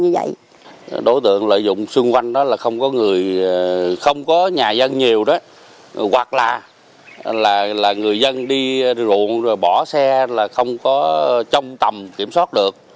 đối tượng lợi dụng xung quanh đó là không có nhà dân nhiều hoặc là người dân đi ruộng rồi bỏ xe là không có trong tầm kiểm soát được